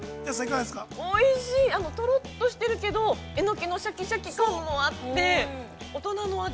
とろっとしてるけどえのきのシャキシャキ感もあって大人の味。